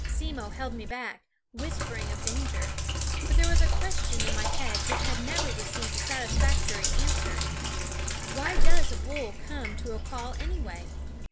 Simmo held me back, whispering of danger ; but there was a question in my head which has never received a satisfactory answer: Why does a bull come to a call anyway?